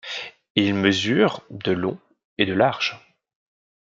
Il mesure de long et de large.